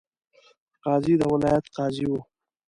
قاضي د ولایت قاضي وو.